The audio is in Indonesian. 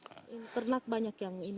ternak banyak yang mati